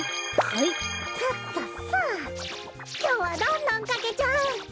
きょうはどんどんかけちゃう。